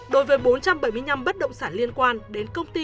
đối với bốn trăm bảy mươi năm bất động sản liên quan đến công ty